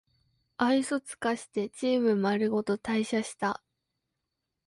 愛想つかしてチームまるごと退社した